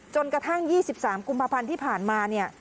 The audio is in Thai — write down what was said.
จนกระทั่ง๒๓กุมภัณฑ์ที่ผ่านมา